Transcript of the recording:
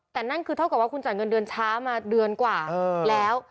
แต่นั่นคือเท่ากับว่าคุณจ่ายเงินเดือนช้ามาเดือนกว่าแล้ว